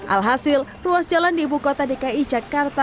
alhasil ruas jalan di ibu kota dki jakarta